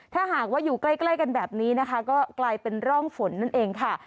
ถ้าหากว่าอยู่ใกล้กันแบบนี้นะคะก็กลายเป็นร่องฝนนั่นเองค่ะ